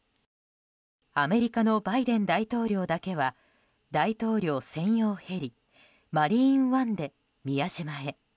アメリカのバイデン大統領だけは大統領専用ヘリ「マリーンワン」で宮島へ。